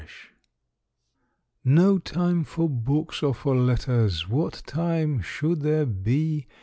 XXX No time for books or for letters: What time should there be?